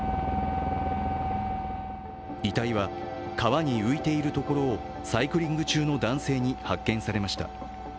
遺体は川に浮いているところをサイクリング中の男性に発見されました。